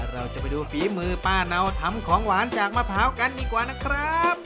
เราจะไปดูฝีมือป้าเนาทำของหวานจากมะพร้าวกันดีกว่านะครับ